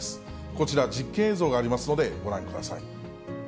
こちら、実験映像がありますので、ご覧ください。